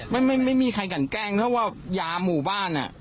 ไม่มีใครกันแกล้งเท่าว่ายาหมู่บ้านอ่ะ